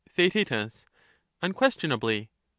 Theaet. Unquestionably.